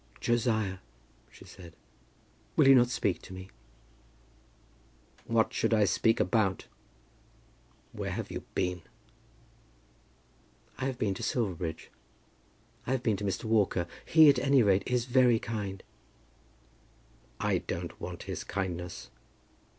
"Josiah," she said, "will you not speak to me?" "What should I speak about? Where have you been?" "I have been to Silverbridge. I have been to Mr. Walker. He, at any rate, is very kind." "I don't want his kindness.